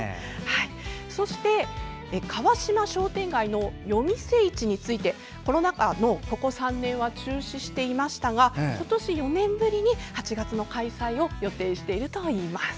そして川島商店街の夜店市についてコロナ禍のここ３年中止していましたが今年、４年ぶりに８月の開催を予定しているといいます。